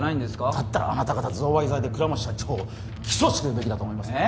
だったらあなた方贈賄罪で倉持社長を起訴するべきだと思いますけどね